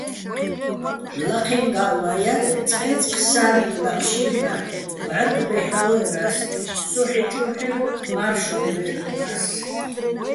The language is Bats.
ლაჴეჼ გა́ლვაჼ ჲარ-ე́, წყე́წყ სა́ნინ ლაჴშირნა́ ბჵარკ ბე́ჰ̦ბოერა́ს, სო ჰ̦ეჭუ́ჰ̦ერ, მა́რშოლ ლე́ვდორას.